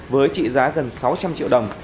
với trị giá gần sáu trăm linh triệu đồng